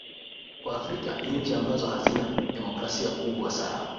kwa afrika ni nchi ambazo hazina demokrasia kubwa sana